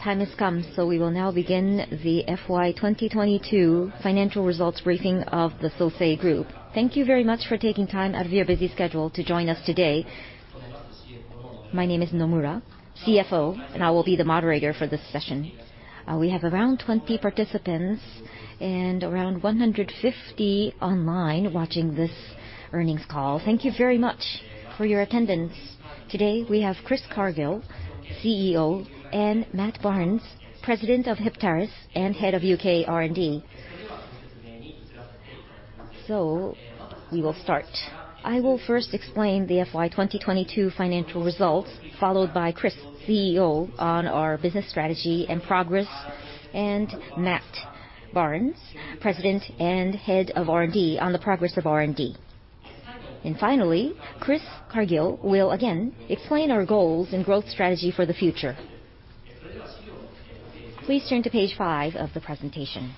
Time has come. We will now begin the FY 2022 financial results briefing of the Sosei Group. Thank you very much for taking time out of your busy schedule to join us today. My name is Nomura, CFO, and I will be the moderator for this session. We have around 20 participants and around 150 online watching this earnings call. Thank you very much for your attendance. Today, we have Chris Cargill, CEO, and Matt Barnes, President of Heptares and Head of U.K. R&D. We will start. I will first explain the FY 2022 financial results, followed by Chris, CEO, on our business strategy and progress, and Matt Barnes, President and Head of R&D, on the progress of R&D. Finally, Chris Cargill will again explain our goals and growth strategy for the future. Please turn to page five of the presentation.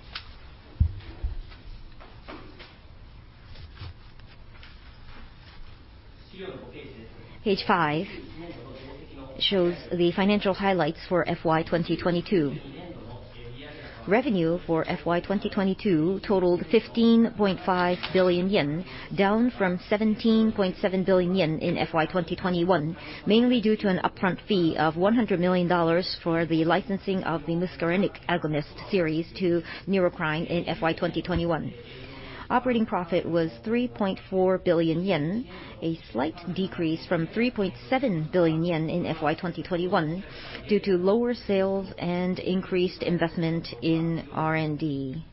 Page five shows the financial highlights for FY 2022. Revenue for FY 2022 totaled 15.5 billion yen, down from 17.7 billion yen in FY 2021, mainly due to an upfront fee of $100 million for the licensing of the muscarinic agonist series to Neurocrine in FY 2021. Operating profit was 3.4 billion yen, a slight decrease from 3.7 billion yen in FY 2021 due to lower sales and increased investment in R&D.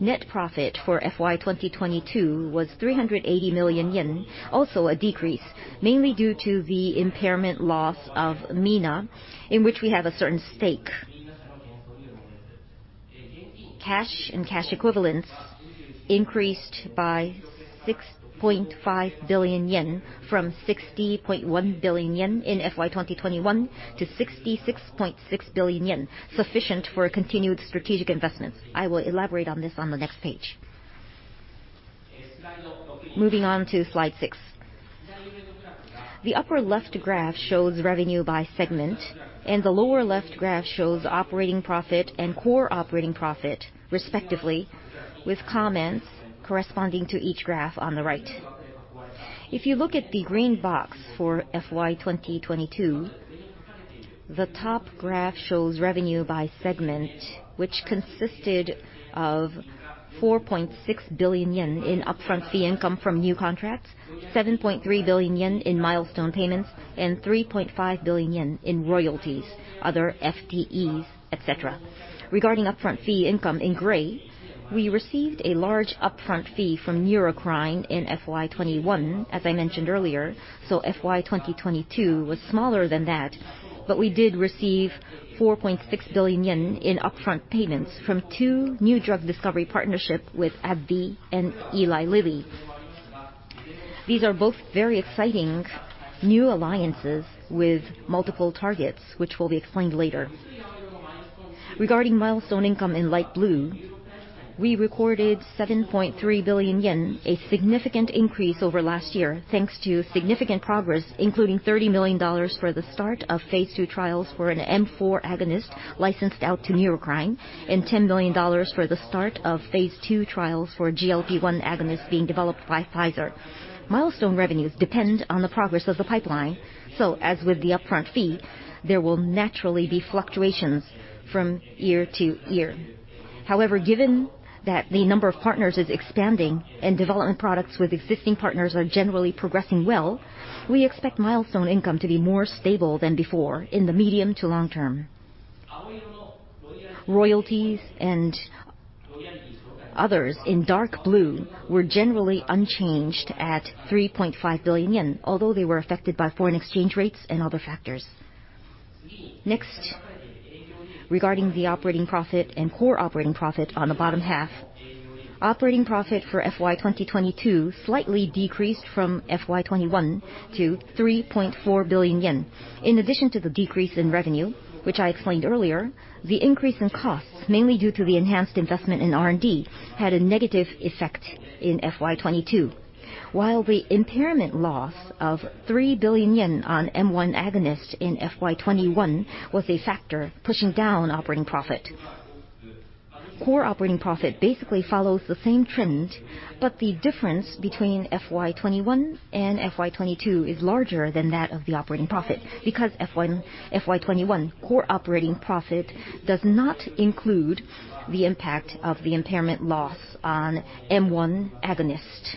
Net profit for FY 2022 was 380 million yen, also a decrease, mainly due to the impairment loss of MiNA, in which we have a certain stake. Cash and cash equivalents increased by 6.5 billion yen from 60.1 billion yen in FY 2021 to 66.6 billion yen, sufficient for continued strategic investments. I will elaborate on this on the next page. Moving on to slide six. The upper left graph shows revenue by segment, and the lower left graph shows operating profit and core operating profit, respectively, with comments corresponding to each graph on the right. If you look at the green box for FY 2022, the top graph shows revenue by segment, which consisted of 4.6 billion yen in upfront fee income from new contracts, 7.3 billion yen in milestone payments, and 3.5 billion yen in royalties, other FTEs, et cetera. Regarding upfront fee income in gray, we received a large upfront fee from Neurocrine in FY 2021, as I mentioned earlier, so FY 2022 was smaller than that. We did receive 4.6 billion yen in upfront payments from two new drug discovery partnership with AbbVie and Eli Lilly. These are both very exciting new alliances with multiple targets, which will be explained later. Regarding milestone income in light blue, we recorded 7.3 billion yen, a significant increase over last year, thanks to significant progress, including $30 million for the start of phase II trials for an M4 agonist licensed out to Neurocrine and $10 million for the start of phase II trials for GLP-1 agonist being developed by Pfizer. Milestone revenues depend on the progress of the pipeline, so as with the upfront fee, there will naturally be fluctuations from year to year. However, given that the number of partners is expanding and development products with existing partners are generally progressing well, we expect milestone income to be more stable than before in the medium to long term. Royalties and others in dark blue were generally unchanged at 3.5 billion yen, although they were affected by foreign exchange rates and other factors. Regarding the operating profit and core operating profit on the bottom half. Operating profit for FY 2022 slightly decreased from FY 2021 to 3.4 billion yen. In addition to the decrease in revenue, which I explained earlier, the increase in costs, mainly due to the enhanced investment in R&D, had a negative effect in FY 2022. The impairment loss of 3 billion yen on M1 agonist in FY 2021 was a factor pushing down operating profit. Core operating profit basically follows the same trend. The difference between FY 2021 and FY 2022 is larger than that of the operating profit because FY 2021 core operating profit does not include the impact of the impairment loss on M1 agonist.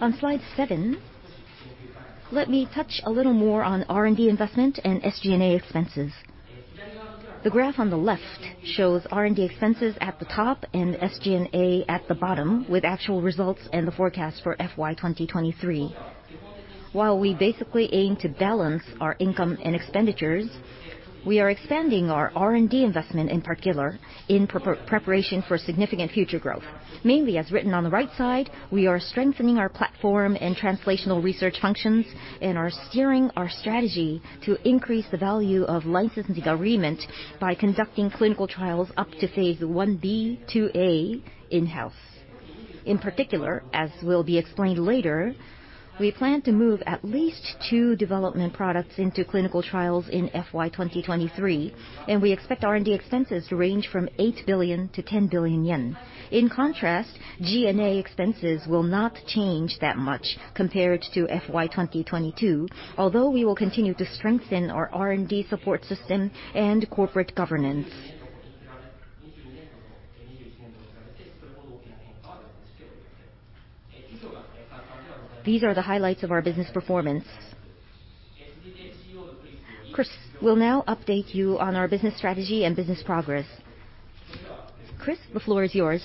On slide seven, let me touch a little more on R&D investment and SG&A expenses. The graph on the left shows R&D expenses at the top and SG&A at the bottom, with actual results and the forecast for FY 2023. While we basically aim to balance our income and expenditures, we are expanding our R&D investment, in particular, in preparation for significant future growth. Mainly, as written on the right side, we are strengthening our platform and translational research functions and are steering our strategy to increase the value of licensing agreement by conducting clinical trials up to phase I-B, II-A in-house. In particular, as will be explained later, we plan to move at least two development products into clinical trials in FY 2023, and we expect R&D expenses to range from 8 billion-10 billion yen. In contrast, G&A expenses will not change that much compared to FY 2022, although we will continue to strengthen our R&D support system and corporate governance. These are the highlights of our business performance. Chris will now update you on our business strategy and business progress. Chris, the floor is yours.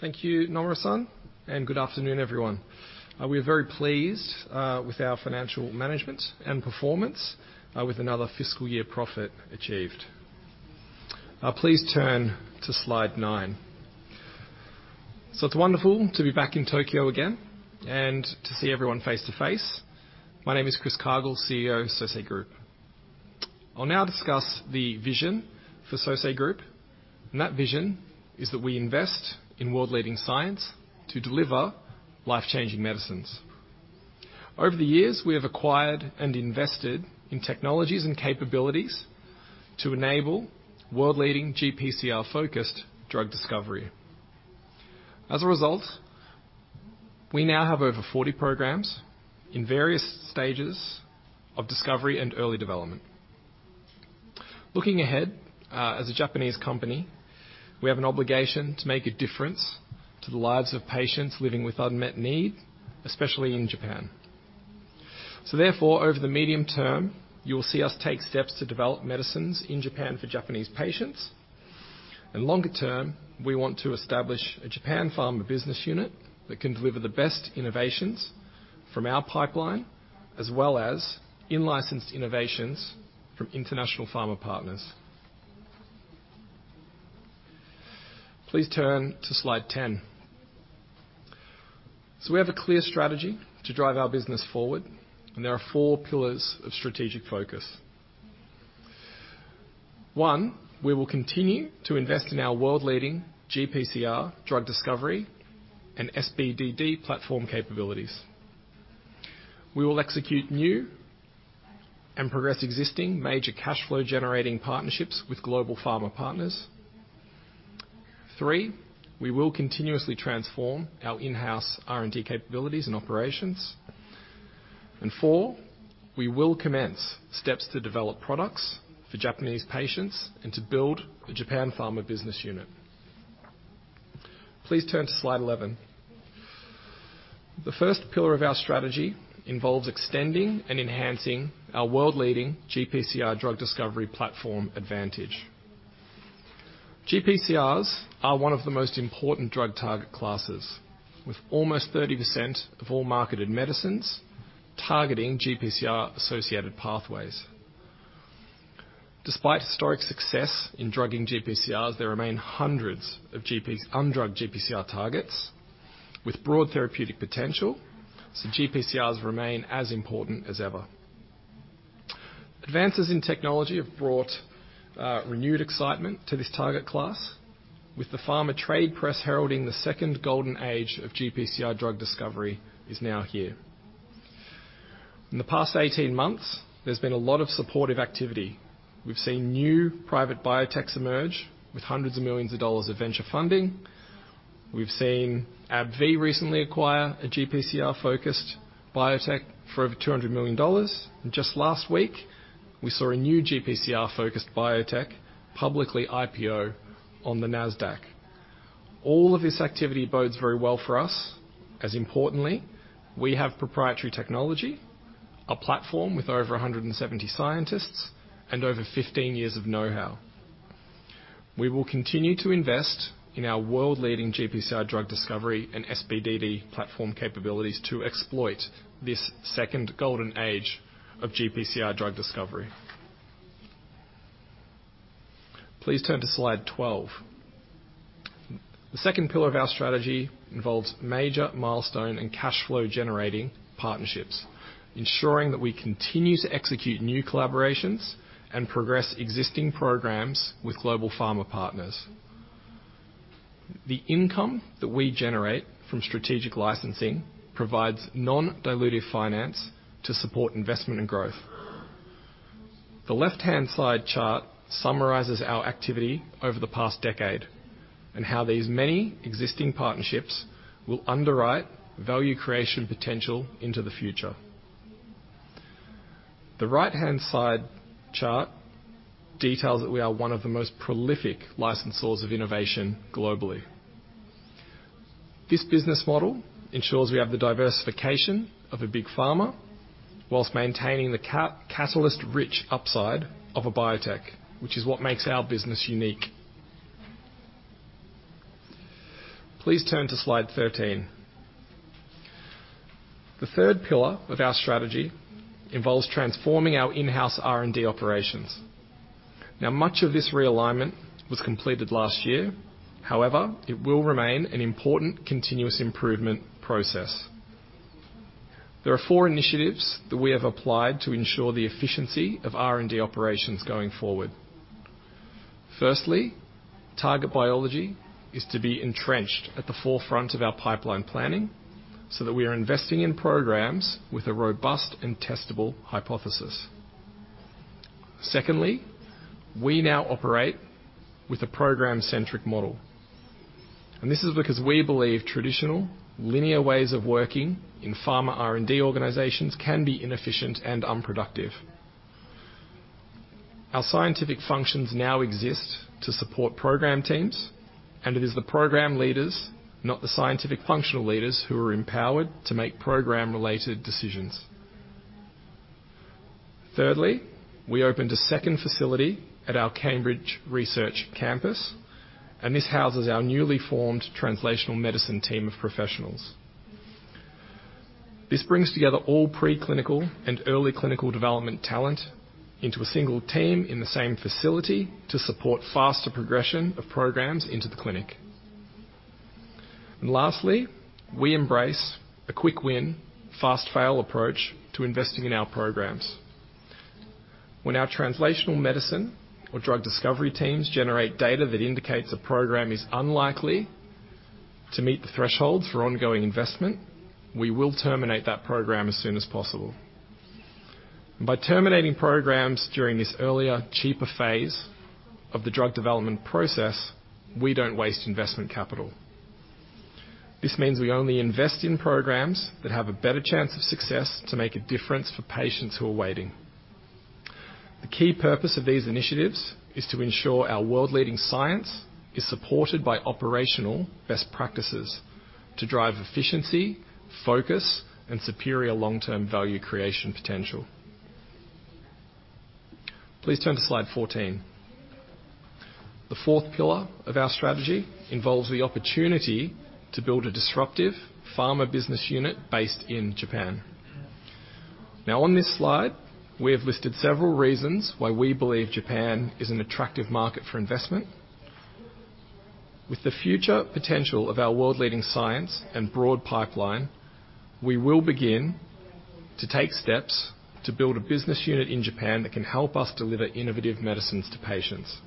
Thank you, Nomura-san, good afternoon, everyone. We are very pleased with our financial management and performance, with another fiscal year profit achieved. Please turn to slide nine. It's wonderful to be back in Tokyo again and to see everyone face to face. My name is Chris Cargill, CEO of Sosei Group. I'll now discuss the vision for Sosei Group, and that vision is that we invest in world-leading science to deliver life-changing medicines. Over the years, we have acquired and invested in technologies and capabilities to enable world-leading GPCR-focused drug discovery. As a result, we now have over 40 programs in various stages of discovery and early development. Looking ahead, as a Japanese company, we have an obligation to make a difference to the lives of patients living with unmet need, especially in Japan. Therefore, over the medium term, you will see us take steps to develop medicines in Japan for Japanese patients. Longer term, we want to establish a Japan pharma business unit that can deliver the best innovations from our pipeline, as well as in-licensed innovations from international pharma partners. Please turn to slide 10. We have a clear strategy to drive our business forward, and there are four pillars of strategic focus. one, we will continue to invest in our world-leading GPCR drug discovery and SBDD platform capabilities. We will execute new and progress existing major cash flow-generating partnerships with global pharma partners. three, we will continuously transform our in-house R&D capabilities and operations. four, we will commence steps to develop products for Japanese patients and to build a Japan pharma business unit. Please turn to slide 11. The first pillar of our strategy involves extending and enhancing our world-leading GPCR drug discovery platform advantage. GPCRs are one of the most important drug target classes, with almost 30% of all marketed medicines targeting GPCR-associated pathways. Despite historic success in drugging GPCRs, there remain hundreds of undrugged GPCR targets with broad therapeutic potential. GPCRs remain as important as ever. Advances in technology have brought renewed excitement to this target class, with the pharma trade press heralding the second golden age of GPCR drug discovery is now here. In the past 18 months, there's been a lot of supportive activity. We've seen new private biotechs emerge with hundreds of millions of dollars of venture funding. We've seen AbbVie recently acquire a GPCR-focused biotech for over $200 million. Just last week, we saw a new GPCR-focused biotech publicly IPO on the Nasdaq. All of this activity bodes very well for us. As importantly, we have proprietary technology, a platform with over 170 scientists, and over 15 years of know-how. We will continue to invest in our world-leading GPCR drug discovery and SBDD platform capabilities to exploit this second golden age of GPCR drug discovery. Please turn to slide 12. The second pillar of our strategy involves major milestone and cash flow-generating partnerships, ensuring that we continue to execute new collaborations and progress existing programs with global pharma partners. The income that we generate from strategic licensing provides non-dilutive finance to support investment and growth. The left-hand side chart summarizes our activity over the past decade and how these many existing partnerships will underwrite value creation potential into the future. The right-hand side chart details that we are one of the most prolific licensors of innovation globally. This business model ensures we have the diversification of a big pharma whilst maintaining the catalyst-rich upside of a biotech, which is what makes our business unique. Please turn to slide 13. The third pillar of our strategy involves transforming our in-house R&D operations. Now, much of this realignment was completed last year. However, it will remain an important continuous improvement process. There are four initiatives that we have applied to ensure the efficiency of R&D operations going forward. Firstly, target biology is to be entrenched at the forefront of our pipeline planning so that we are investing in programs with a robust and testable hypothesis. Secondly, we now operate with a program-centric model. This is because we believe traditional linear ways of working in pharma R&D organizations can be inefficient and unproductive. Our scientific functions now exist to support program teams. It is the program leaders, not the scientific functional leaders, who are empowered to make program-related decisions. Thirdly, we opened a second facility at our Cambridge research campus. This houses our newly formed translational medicine team of professionals. This brings together all preclinical and early clinical development talent into a single team in the same facility to support faster progression of programs into the clinic. Lastly, we embrace a quick-win, fast-fail approach to investing in our programs. When our translational medicine or drug discovery teams generate data that indicates a program is unlikely to meet the thresholds for ongoing investment, we will terminate that program as soon as possible. By terminating programs during this earlier, cheaper phase of the drug development process, we don't waste investment capital. This means we only invest in programs that have a better chance of success to make a difference for patients who are waiting. The key purpose of these initiatives is to ensure our world-leading science is supported by operational best practices to drive efficiency, focus, and superior long-term value creation potential. Please turn to slide 14. The fourth pillar of our strategy involves the opportunity to build a disruptive pharma business unit based in Japan. Now on this slide, we have listed several reasons why we believe Japan is an attractive market for investment. With the future potential of our world-leading science and broad pipeline, we will begin to take steps to build a business unit in Japan that can help us deliver innovative medicines to patients.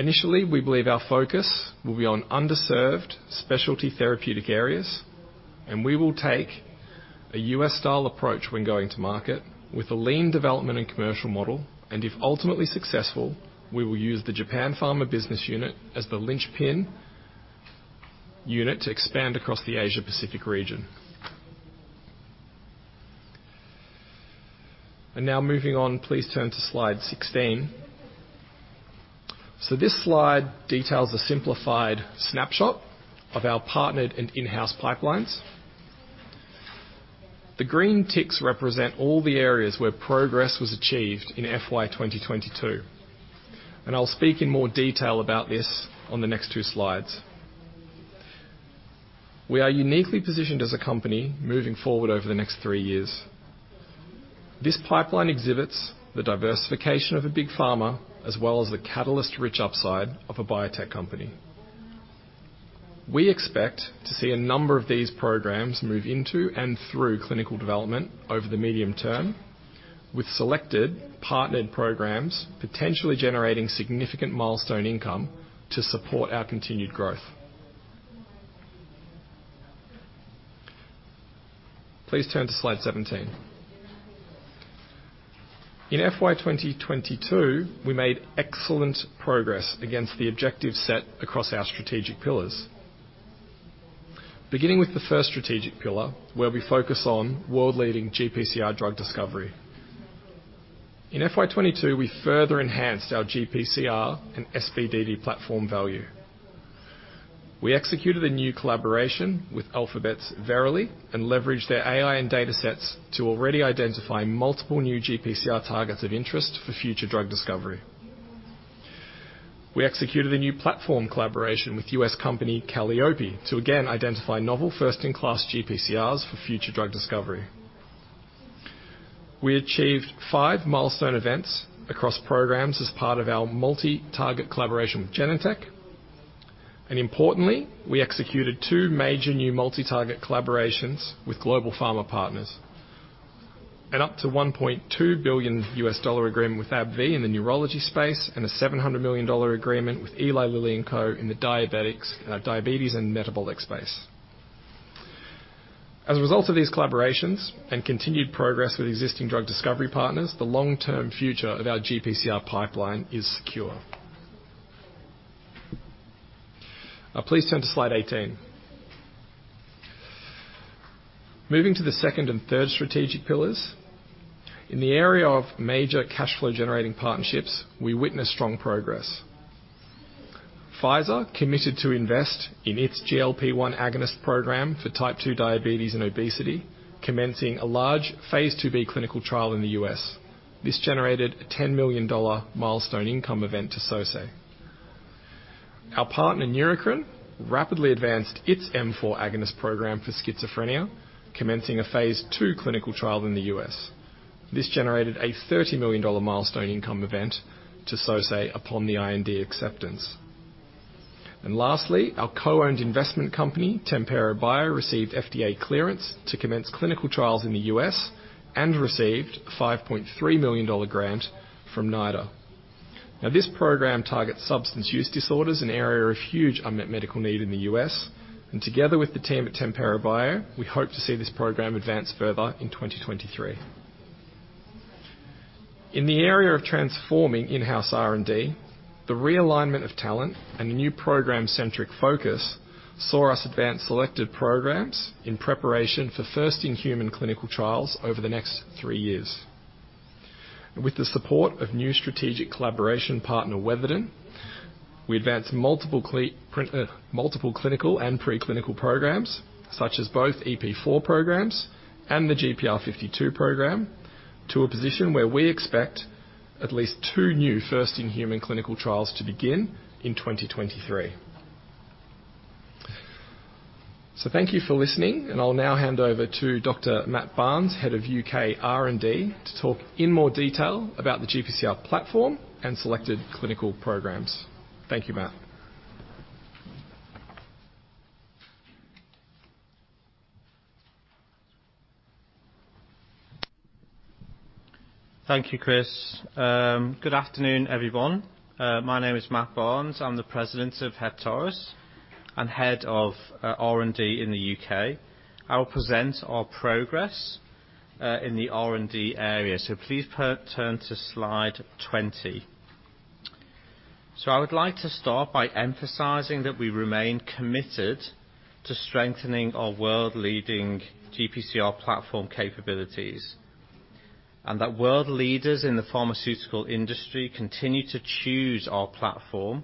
Initially, we believe our focus will be on underserved specialty therapeutic areas, we will take a U.S.-style approach when going to market with a lean development and commercial model. If ultimately successful, we will use the Japan Pharma Business unit as the linchpin unit to expand across the Asia-Pacific region. Now moving on, please turn to slide 16. This slide details a simplified snapshot of our partnered and in-house pipelines. The green ticks represent all the areas where progress was achieved in FY 2022, and I'll speak in more detail about this on the next 2 slides. We are uniquely positioned as a company moving forward over the next three years. This pipeline exhibits the diversification of a big pharma as well as the catalyst-rich upside of a biotech company. We expect to see a number of these programs move into and through clinical development over the medium term, with selected partnered programs potentially generating significant milestone income to support our continued growth. Please turn to slide 17. In FY 2022, we made excellent progress against the objectives set across our strategic pillars. Beginning with the first strategic pillar, where we focus on world-leading GPCR drug discovery. In FY 2022, we further enhanced our GPCR and SBDD platform value. We executed a new collaboration with Alphabet's Verily and leveraged their AI and datasets to already identify multiple new GPCR targets of interest for future drug discovery. We executed a new platform collaboration with US company Kallyope to again identify novel first-in-class GPCRs for future drug discovery. We achieved five milestone events across programs as part of our multi-target collaboration with Genentech. Importantly, we executed two major new multi-target collaborations with global pharma partners, an up to $1.2 billion agreement with AbbVie in the neurology space and a $700 million agreement with Eli Lilly and Company in the diabetics, diabetes and metabolic space. As a result of these collaborations and continued progress with existing drug discovery partners, the long-term future of our GPCR pipeline is secure. Please turn to slide 18. Moving to the second and third strategic pillars. In the area of major cash flow-generating partnerships, we witnessed strong progress. Pfizer committed to invest in its GLP-1 agonist program for type two diabetes and obesity, commencing a large Phase II-B clinical trial in the U.S. This generated a $10 million milestone income event to Sosei. Our partner, Neurocrine, rapidly advanced its M4 agonist program for schizophrenia, commencing a Phase II clinical trial in the U.S. This generated a $30 million milestone income event to Sosei upon the IND acceptance. Lastly, our co-owned investment company, Tempero Bio, received FDA clearance to commence clinical trials in the U.S. and received a $5.3 million grant from NIDA. This program targets substance use disorders, an area of huge unmet medical need in the U.S. Together with the team at Tempero Bio, we hope to see this program advance further in 2023. In the area of transforming in-house R&D, the realignment of talent and the new program-centric focus saw us advance selected programs in preparation for first-in-human clinical trials over the next three years. With the support of new strategic collaboration partner, Verily, we advanced multiple clinical and pre-clinical programs such as both EP4 programs and the GPR52 program to a position where we expect at least two new first-in-human clinical trials to begin in 2023. Thank you for listening, and I'll now hand over to Dr. Matt Barnes, Head of UK R&D, to talk in more detail about the GPCR platform and selected clinical programs. Thank you, Matt. Thank you, Chris. Good afternoon, everyone. My name is Matt Barnes. I'm the President of Heptares and Head of R&D in the U.K. I will present our progress in the R&D area. Please turn to slide 20. I would like to start by emphasizing that we remain committed to strengthening our world-leading GPCR platform capabilities, and that world leaders in the pharmaceutical industry continue to choose our platform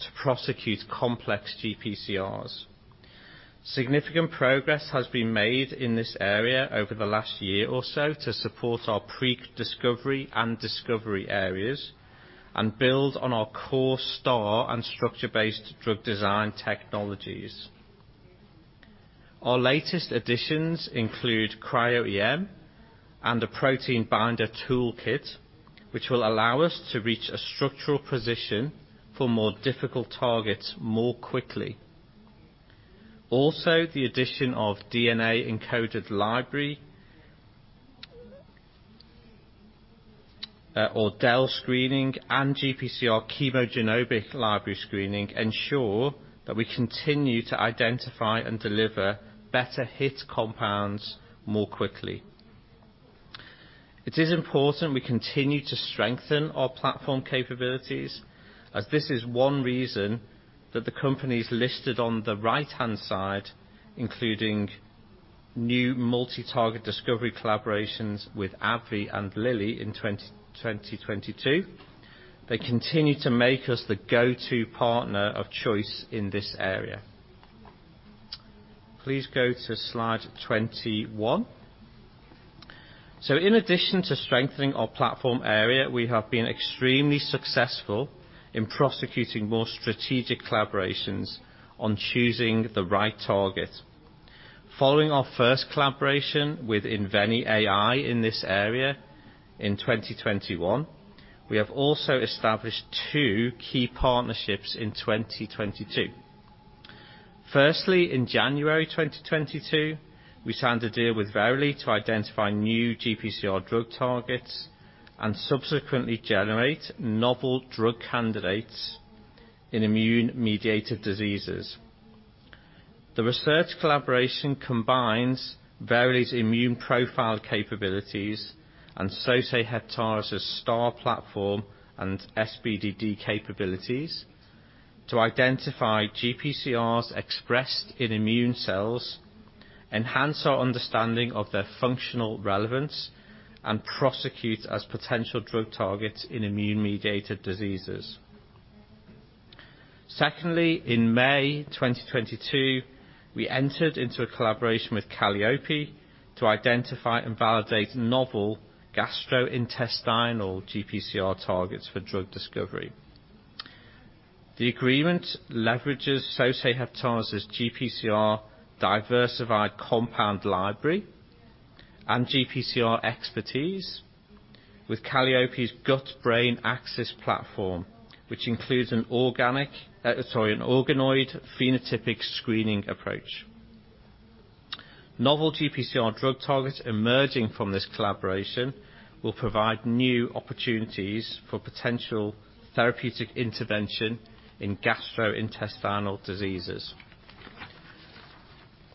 to prosecute complex GPCRs. Significant progress has been made in this area over the last year or so to support our pre-discovery and discovery areas and build on our core star and structure-based drug design technologies. Our latest additions include cryo-EM and a protein binder toolkit, which will allow us to reach a structural position for more difficult targets more quickly. The addition of DNA-encoded library, or DEL screening and GPCR chemogenomic library screening ensure that we continue to identify and deliver better hit compounds more quickly. It is important we continue to strengthen our platform capabilities, as this is one reason that the companies listed on the right-hand side, including new multi-target discovery collaborations with AbbVie and Lilly in 2022. They continue to make us the go-to partner of choice in this area. Please go to slide 21. In addition to strengthening our platform area, we have been extremely successful in prosecuting more strategic collaborations on choosing the right target. Following our first collaboration with Inveny AI in this area in 2021, we have also established two key partnerships in 2022. In January 2022, we signed a deal with Verily to identify new GPCR drug targets and subsequently generate novel drug candidates in immune-mediated diseases. The research collaboration combines Verily's immune profile capabilities and Sosei Heptares' STAR platform and SBDD capabilities to identify GPCRs expressed in immune cells, enhance our understanding of their functional relevance, and prosecute as potential drug targets in immune-mediated diseases. In May 2022, we entered into a collaboration with Kallyope to identify and validate novel gastrointestinal GPCR targets for drug discovery. The agreement leverages Sosei Heptares' GPCR diversified compound library and GPCR expertise with Kallyope's gut-brain axis platform, which includes sorry, an organoid phenotypic screening approach. Novel GPCR drug targets emerging from this collaboration will provide new opportunities for potential therapeutic intervention in gastrointestinal diseases.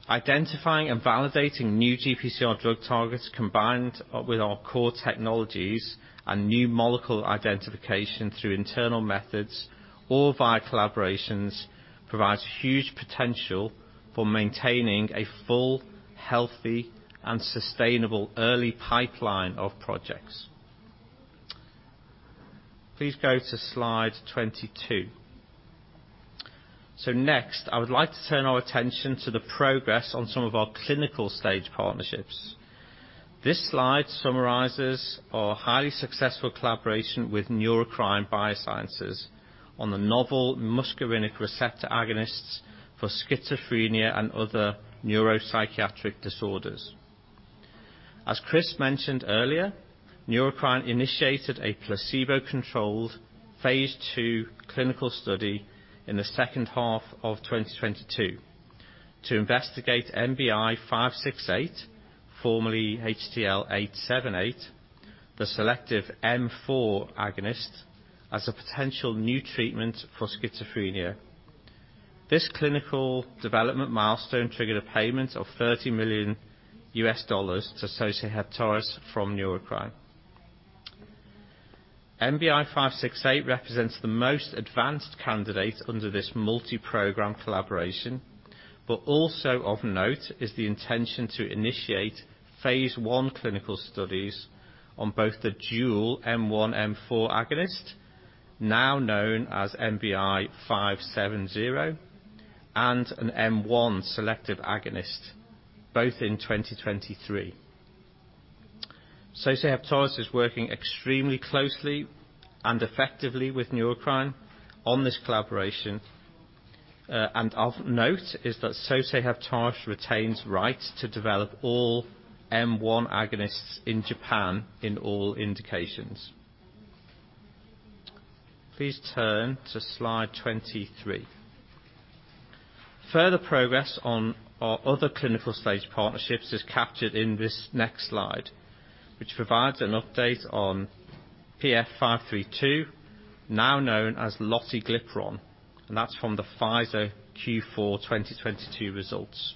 Identifying and validating new GPCR drug targets combined with our core technologies and new molecule identification through internal methods or via collaborations provides huge potential for maintaining a full, healthy, and sustainable early pipeline of projects. Please go to slide 22. Next, I would like to turn our attention to the progress on some of our clinical stage partnerships. This slide summarizes our highly successful collaboration with Neurocrine Biosciences on the novel muscarinic receptor agonists for schizophrenia and other neuropsychiatric disorders. As Chris mentioned earlier, Neurocrine initiated a placebo-controlled phase II clinical study in the second half of 2022 to investigate NBI-1117568, formerly HTL 878, the selective M4 agonist as a potential new treatment for schizophrenia. This clinical development milestone triggered a payment of $30 million to Sosei Heptares from Neurocrine. NBI-568 represents the most advanced candidate under this multi-program collaboration, but also of note is the intention to initiate phase I clinical studies on both the dual M1/M4 agonist, now known as NBI-570, and an M1 selective agonist, both in 2023. Sosei Heptares is working extremely closely and effectively with Neurocrine on this collaboration. Of note is that Sosei Heptares retains rights to develop all M1 agonists in Japan in all indications. Please turn to slide 23. Further progress on our other clinical stage partnerships is captured in this next slide, which provides an update on PF 532, now known as lotiglipron, and that's from the Pfizer Q4 2022 results.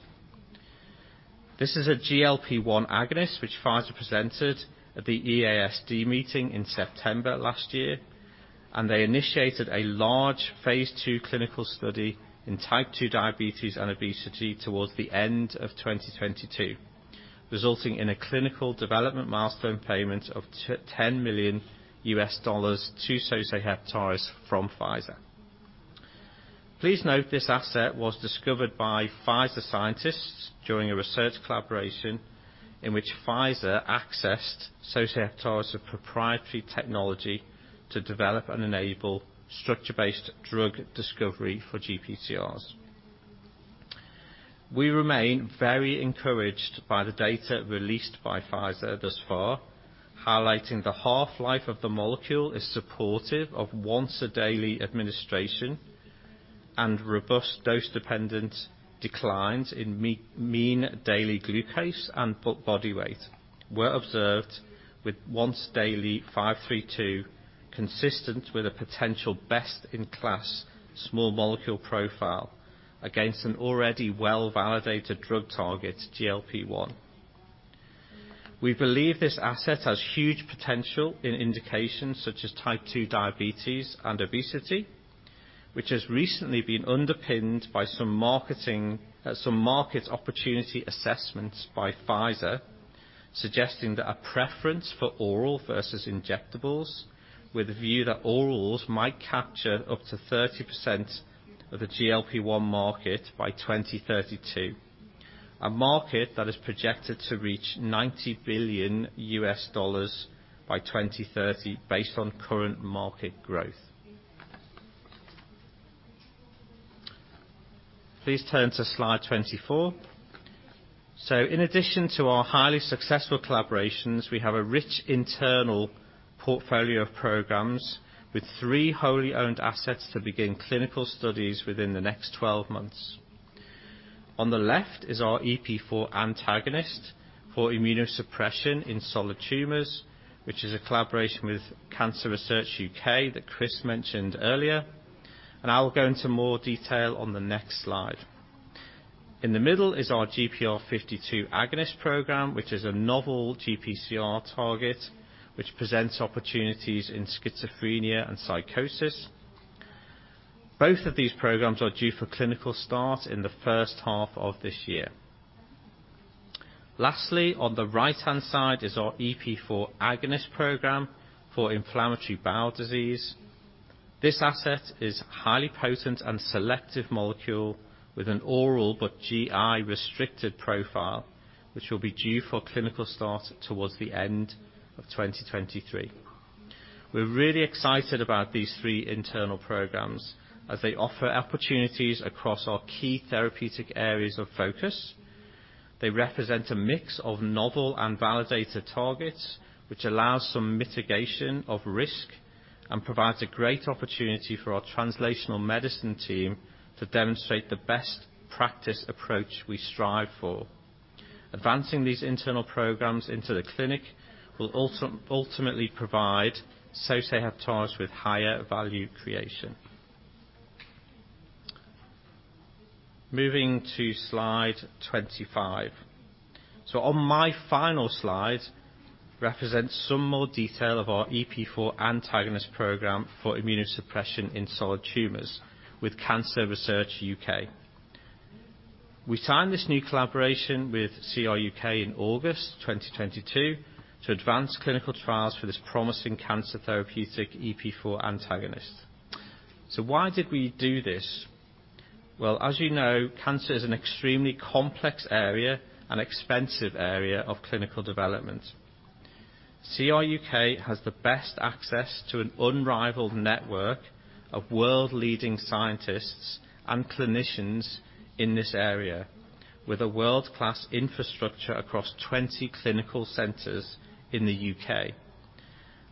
This is a GLP-1 agonist which Pfizer presented at the EASD meeting in September last year. They initiated a large phase II clinical study in type 2 diabetes and obesity towards the end of 2022, resulting in a clinical development milestone payment of $10 million to Sosei Heptares from Pfizer. Please note this asset was discovered by Pfizer scientists during a research collaboration in which Pfizer accessed Sosei Heptares' proprietary technology to develop and enable structure-based drug discovery for GPCRs. We remain very encouraged by the data released by Pfizer thus far, highlighting the half-life of the molecule is supportive of once a daily administration and robust dose-dependent declines in mean daily glucose and body weight were observed with once daily 532, consistent with a potential best-in-class small molecule profile against an already well-validated drug target, GLP-1. We believe this asset has huge potential in indications such as type two diabetes and obesity, which has recently been underpinned by Some market opportunity assessments by Pfizer, suggesting that a preference for oral versus injectables, with a view that orals might capture up to 30% of the GLP-1 market by 2032. A market that is projected to reach $90 billion by 2030 based on current market growth. Please turn to slide 24. In addition to our highly successful collaborations, we have a rich internal portfolio of programs with three wholly owned assets to begin clinical studies within the next 12 months. On the left is our EP4 antagonist for immunosuppression in solid tumors, which is a collaboration with Cancer Research UK that Chris mentioned earlier, and I will go into more detail on the next slide. In the middle is our GPR52 agonist program, which is a novel GPCR target, which presents opportunities in schizophrenia and psychosis. Both of these programs are due for clinical start in the first half of this year. Lastly, on the right-hand side is our EP4 agonist program for inflammatory bowel disease. This asset is highly potent and selective molecule with an oral but GI-restricted profile, which will be due for clinical start towards the end of 2023. We're really excited about these three internal programs as they offer opportunities across our key therapeutic areas of focus. They represent a mix of novel and validated targets, which allows some mitigation of risk and provides a great opportunity for our translational medicine team to demonstrate the best practice approach we strive for. Advancing these internal programs into the clinic will ultimately provide Sosei Heptares with higher value creation. Moving to slide 25. On my final slide represents some more detail of our EP4 antagonist program for immunosuppression in solid tumors with Cancer Research U.K. We signed this new collaboration with CRUK in August 2022 to advance clinical trials for this promising cancer therapeutic EP4 antagonist. Why did we do this? Well, as you know, cancer is an extremely complex area and expensive area of clinical development. CRUK has the best access to an unrivaled network of world-leading scientists and clinicians in this area, with a world-class infrastructure across 20 clinical centers in the U.K.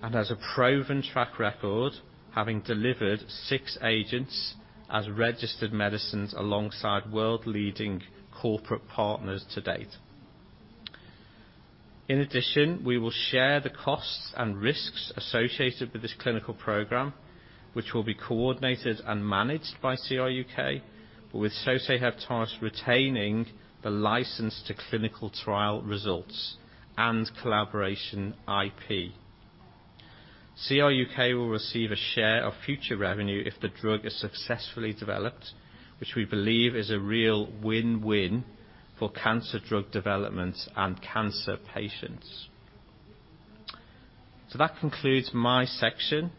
Has a proven track record, having delivered 6 agents as registered medicines alongside world-leading corporate partners to date. In addition, we will share the costs and risks associated with this clinical program, which will be coordinated and managed by CRUK, with Sosei Heptares retaining the license to clinical trial results and collaboration IP. CRUK will receive a share of future revenue if the drug is successfully developed, which we believe is a real win-win for cancer drug development and cancer patients. That concludes my section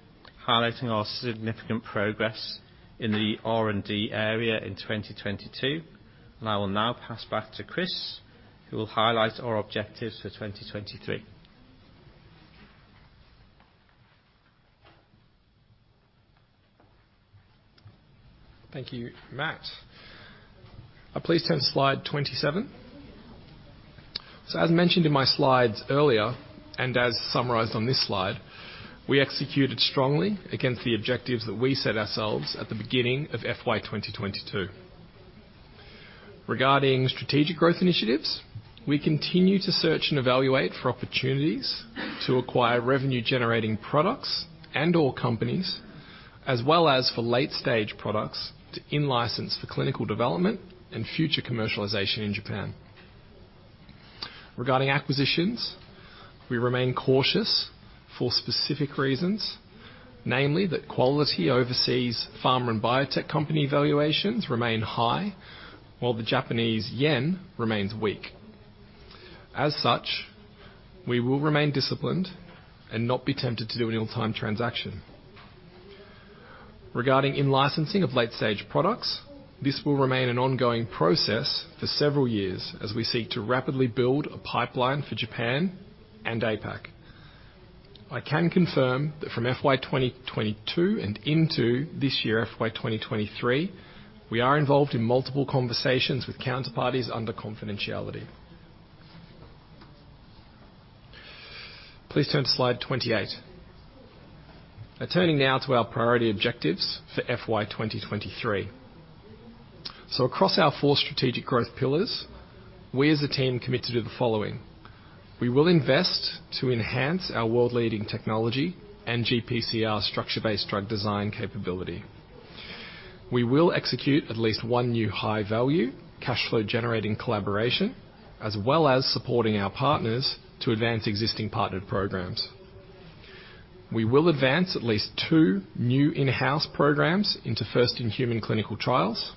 highlighting our significant progress in the R&D area in 2022. I will now pass back to Chris, who will highlight our objectives for 2023. Thank you, Matt. Please turn to slide 27. As mentioned in my slides earlier, and as summarized on this slide, we executed strongly against the objectives that we set ourselves at the beginning of FY 2022. Regarding strategic growth initiatives, we continue to search and evaluate for opportunities to acquire revenue-generating products and or companies, as well as for late-stage products to in-license for clinical development and future commercialization in Japan and APAC. Regarding acquisitions, we remain cautious for specific reasons, namely that quality overseas pharma and biotech company valuations remain high, while the Japanese yen remains weak. As such, we will remain disciplined and not be tempted to do an ill-timed transaction. Regarding in-licensing of late-stage products, this will remain an ongoing process for several years as we seek to rapidly build a pipeline for Japan and APAC. I can confirm that from FY 2022 and into this year, FY 2023, we are involved in multiple conversations with counterparties under confidentiality. Please turn to slide 28. Turning now to our priority objectives for FY 2023. Across our four strategic growth pillars, we as a team commit to do the following. We will invest to enhance our world-leading technology and GPCR structure-based drug design capability. We will execute at least one new high-value cash flow-generating collaboration, as well as supporting our partners to advance existing partnered programs. We will advance at least two new in-house programs into first in-human clinical trials.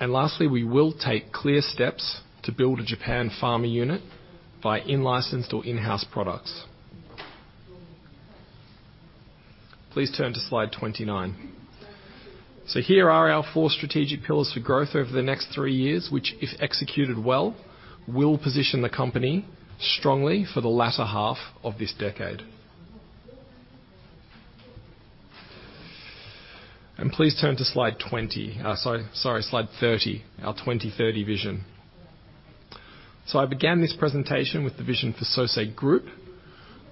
Lastly, we will take clear steps to build a Japan pharma unit by in-licensed or in-house products. Please turn to slide 29. Here are our four strategic pillars for growth over the next three years, which, if executed well, will position the company strongly for the latter half of this decade. Please turn to slide 20. sorry, slide 30, our 2030 vision. I began this presentation with the vision for Sosei Group,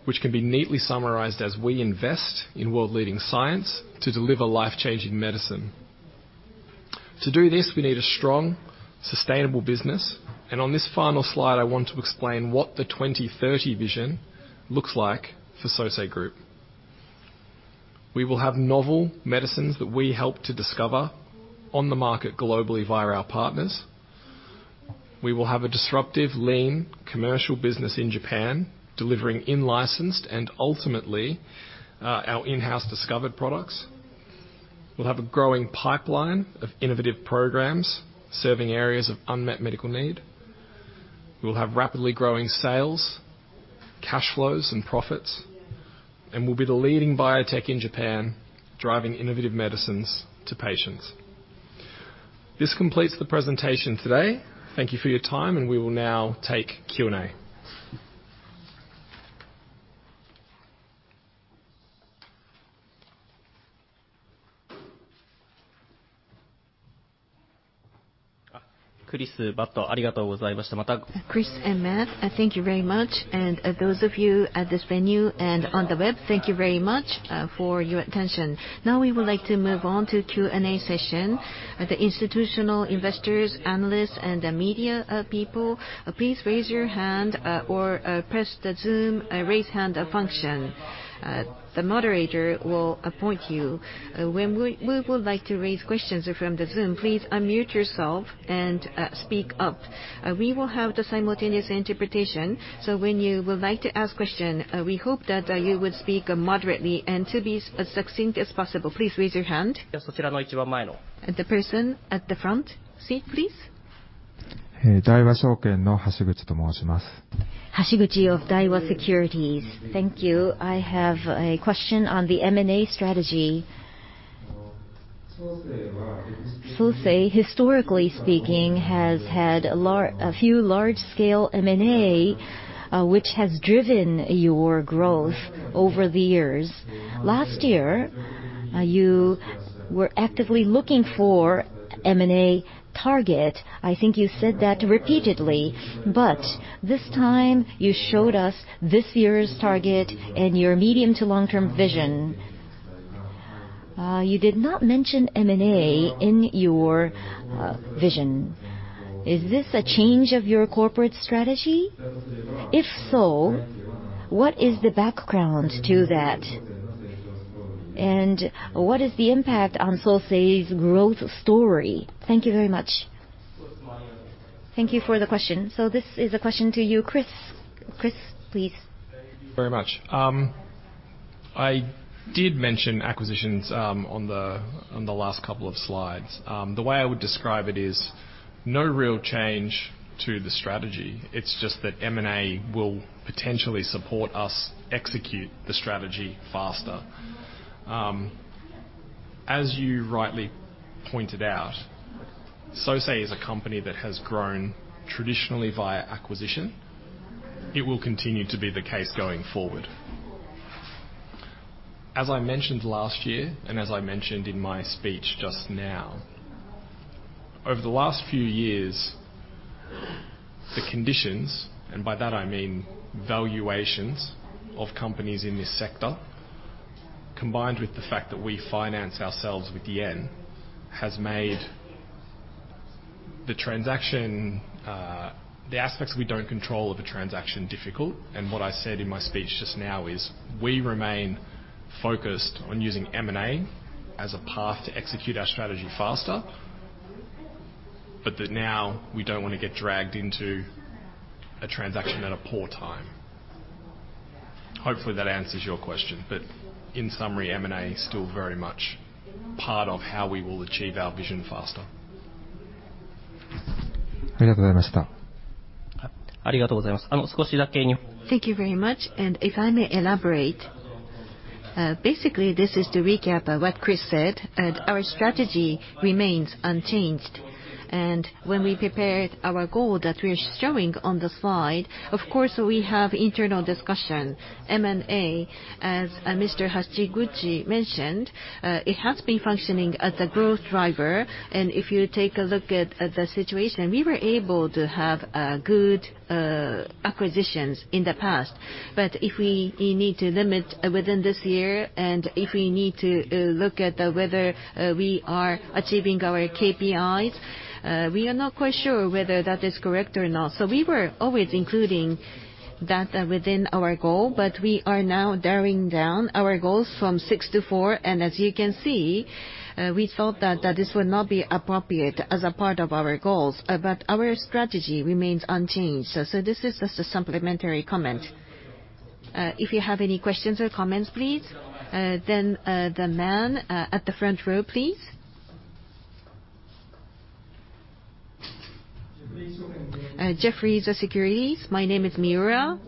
which can be neatly summarized as we invest in world-leading science to deliver life-changing medicine. To do this, we need a strong, sustainable business. On this final slide, I want to explain what the 2030 vision looks like for Sosei Group. We will have novel medicines that we help to discover on the market globally via our partners. We will have a disruptive, lean commercial business in Japan delivering in-licensed and ultimately, our in-house discovered products. We'll have a growing pipeline of innovative programs serving areas of unmet medical need. We will have rapidly growing sales, cash flows and profits. We'll be the leading biotech in Japan, driving innovative medicines to patients. This completes the presentation today. Thank you for your time. We will now take Q&A. Chris and Matt, thank you very much. Those of you at this venue and on the web, thank you very much for your attention. Now, we would like to move on to Q&A session. The institutional investors, analysts and the media people, please raise your hand or press the Zoom raise hand function. The moderator will appoint you. When we would like to raise questions from the Zoom, please unmute yourself and speak up. We will have the simultaneous interpretation, so when you would like to ask question, we hope that you would speak moderately and to be as succinct as possible. Please raise your hand. The person at the front seat, please. Hashiguchi of Daiwa Securities. Thank you. I have a question on the M&A strategy. Sosei, historically speaking, has had a few large-scale M&A, which has driven your growth over the years. Last year, you were actively looking for M&A target. I think you said that repeatedly. This time you showed us this year's target and your medium to long-term vision. You did not mention M&A in your vision. Is this a change of your corporate strategy? If so, what is the background to that? What is the impact on Sosei's growth story? Thank you very much. Thank you for the question. This is a question to you, Chris. Chris, please. Thank you very much. I did mention acquisitions on the last couple of slides. The way I would describe it is, no real change to the strategy. It's just that M&A will potentially support us execute the strategy faster. As you rightly pointed out, Sosei is a company that has grown traditionally via acquisition. It will continue to be the case going forward. As I mentioned last year, and as I mentioned in my speech just now, over the last few years, the conditions, and by that, I mean valuations of companies in this sector, combined with the fact that we finance ourselves with yen, has made the transaction, the aspects we don't control of a transaction difficult. What I said in my speech just now is we remain focused on using M&A as a path to execute our strategy faster, but that now we don't wanna get dragged into a transaction at a poor time. Hopefully that answers your question. In summary, M&A is still very much part of how we will achieve our vision faster. Thank you very much. If I may elaborate, basically this is to recap, what Chris said, and our strategy remains unchanged. When we prepared our goal that we're showing on the slide, of course, we have internal discussion. M&A, as Mr. Hashiguchi mentioned, it has been functioning as a growth driver. If you take a look at the situation, we were able to have good acquisitions in the past. If we need to limit within this year, and if we need to look at whether we are achieving our KPIs, we are not quite sure whether that is correct or not. We were always including that, within our goal, but we are now daring down our goals from six to four. As you can see, we thought that this would not be appropriate as a part of our goals. Our strategy remains unchanged. This is just a supplementary comment. If you have any questions or comments, please. The man, at the front row, please. Jefferies Securities. My name is Miura.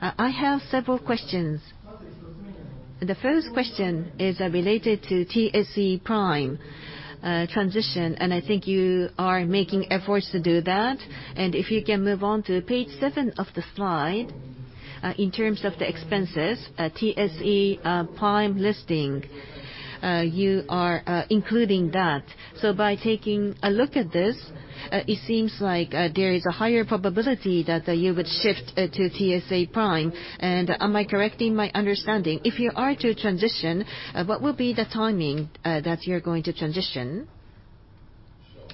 I have several questions. The first question is related to TSE Prime transition, I think you are making efforts to do that. If you can move on to page seven of the slide, in terms of the expenses, TSE Prime listing, you are including that. By taking a look at this, it seems like there is a higher probability that you would shift to TSE Prime. Am I correct in my understanding? If you are to transition, what will be the timing that you're going to transition? Sure.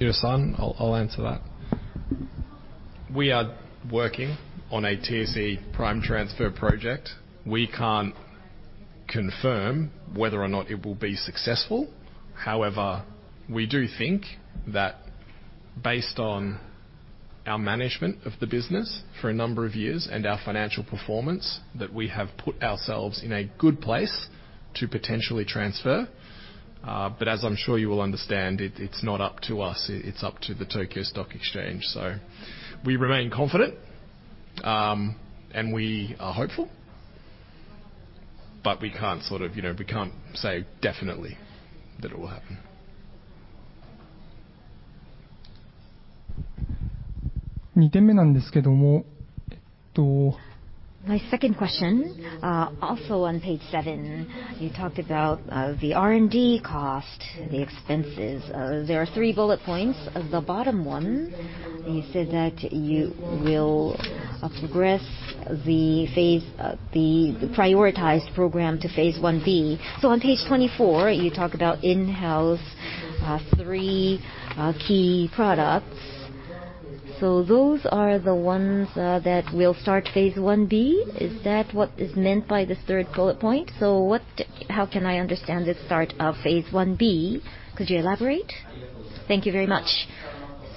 Miura-san, I'll answer that. We are working on a TSE Prime transfer project. We can't confirm whether or not it will be successful. However, we do think that based on our management of the business for a number of years and our financial performance, that we have put ourselves in a good place to potentially transfer. As I'm sure you will understand, it's not up to us. It's up to the Tokyo Stock Exchange. We remain confident, and we are hopeful. We can't sort of, you know, we can't say definitely that it will happen. My second question, also on page seven, you talked about the R&D cost, the expenses. There are three bullet points. The bottom one, you said that you will progress the phase, the prioritized program to phase Ib. On page 24, you talk about in-house, three key products. Those are the ones that will start phase Ib. Is that what is meant by the third bullet point? How can I understand the start of phase Ib? Could you elaborate? Thank you very much.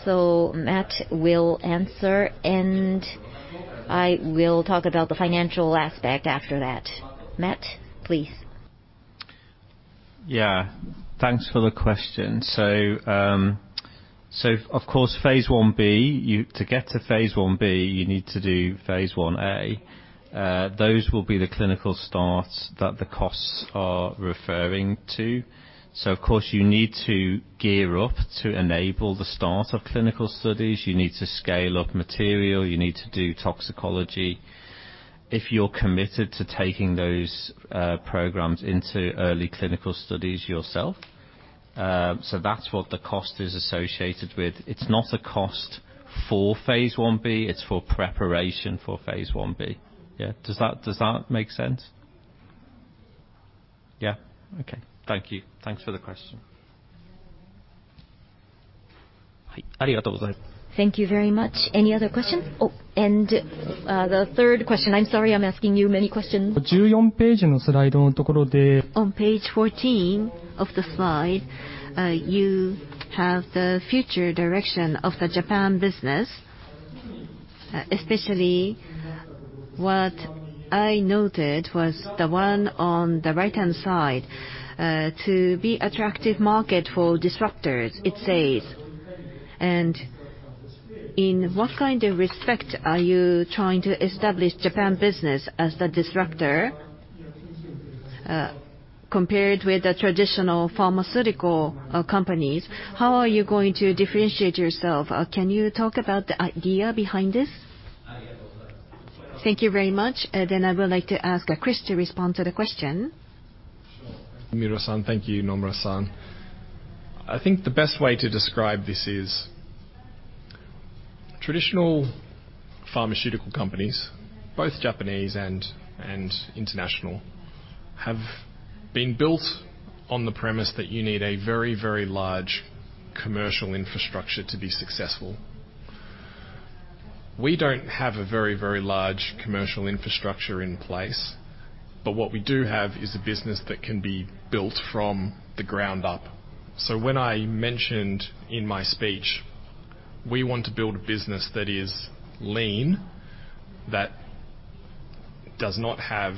Matt will answer, and I will talk about the financial aspect after that. Matt, please. Yeah. Thanks for the question. of course, phase Ib, to get to phase I-B, you need to do phase Ia. Those will be the clinical starts that the costs are referring to. of course, you need to gear up to enable the start of clinical studies. You need to scale up material. You need to do toxicology if you're committed to taking those programs into early clinical studies yourself. That's what the cost is associated with. It's not a cost for phase Ib, it's for preparation for phase Ib. Yeah. Does that make sense? Yeah. Okay. Thank you. Thanks for the question. Thank you very much. Any other questions? The third question. I'm sorry I'm asking you many questions. On page 14 of the slide, you have the future direction of the Japan business. Especially what I noted was the one on the right-hand side, to be attractive market for disruptors, it says. In what kind of respect are you trying to establish Japan business as the disruptor, compared with the traditional pharmaceutical companies? How are you going to differentiate yourself? Can you talk about the idea behind this? Thank you very much. I would like to ask Chris to respond to the question. Sure. Thank you, Miro-san. Thank you, Nomura-san. I think the best way to describe this is traditional pharmaceutical companies, both Japanese and international, have been built on the premise that you need a very, very large commercial infrastructure to be successful. We don't have a very, very large commercial infrastructure in place. What we do have is a business that can be built from the ground up. When I mentioned in my speech, we want to build a business that is lean, that does not have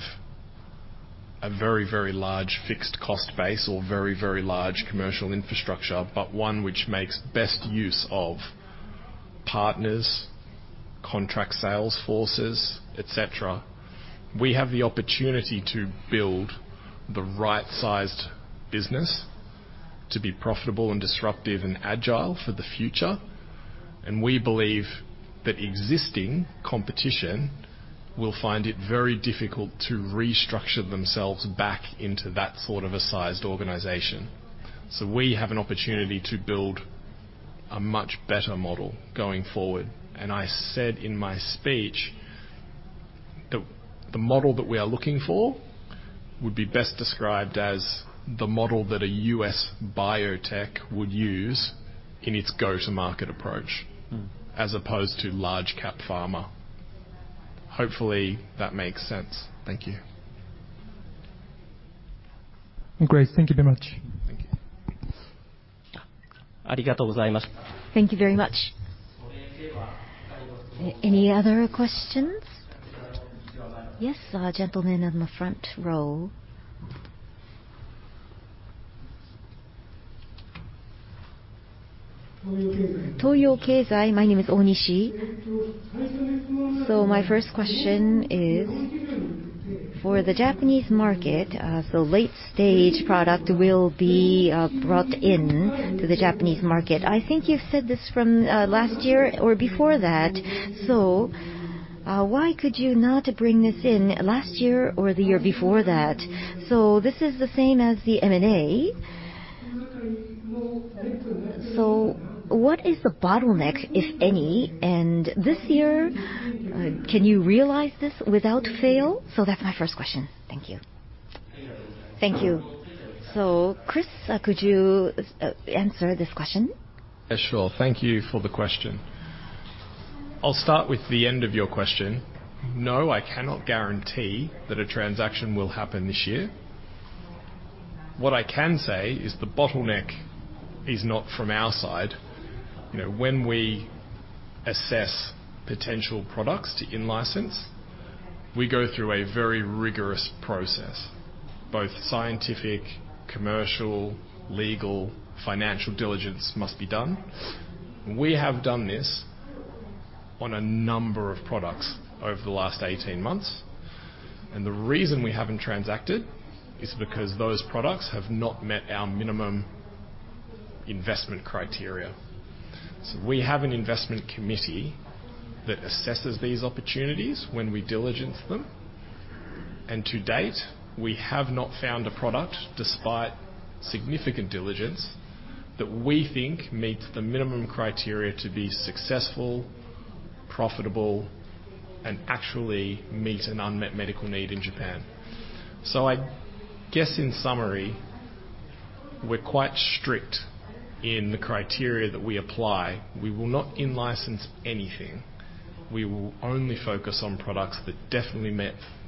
a very, very large fixed cost base or very, very large commercial infrastructure, but one which makes best use of partners, contract sales forces, et cetera. We have the opportunity to build the right-sized business to be profitable and disruptive and agile for the future. We believe that existing competition will find it very difficult to restructure themselves back into that sort of a sized organization. We have an opportunity to build a much better model going forward. I said in my speech that the model that we are looking for would be best described as the model that a U.S. biotech would use in its go-to-market approach, as opposed to large-cap pharma. Hopefully, that makes sense. Thank you. Great. Thank you very much. Thank you. Thank you very much. Any other questions? Yes, gentleman in the front row. Toyo Keizai. My name is Onishi. My first question is, for the Japanese market, so late stage product will be brought in to the Japanese market. I think you've said this from last year or before that. Why could you not bring this in last year or the year before that? This is the same as the M&A. What is the bottleneck, if any? This year, can you realize this without fail? That's my first question. Thank you. Thank you. Chris, could you answer this question? Yeah, sure. Thank you for the question. I'll start with the end of your question. No, I cannot guarantee that a transaction will happen this year. What I can say is the bottleneck is not from our side. You know, when we assess potential products to in-license, we go through a very rigorous process. Both scientific, commercial, legal, financial diligence must be done. We have done this on a number of products over the last 18 months. The reason we haven't transacted is because those products have not met our minimum investment criteria. We have an investment committee that assesses these opportunities when we diligence them. To date, we have not found a product despite significant diligence, that we think meets the minimum criteria to be successful, profitable, and actually meet an unmet medical need in Japan. I guess in summary, we're quite strict in the criteria that we apply. We will not in-license anything. We will only focus on products that definitely